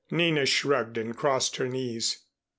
Nina shrugged and crossed her knees.